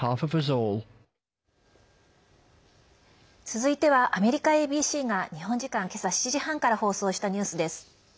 続いてはアメリカＡＢＣが日本時間、今朝７時半から放送したニュースです。